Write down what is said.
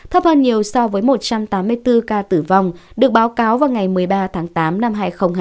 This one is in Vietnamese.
thấp hơn nhiều so với một trăm tám mươi bốn ca tử vong được báo cáo vào ngày một mươi ba tháng tám năm hai nghìn hai mươi ba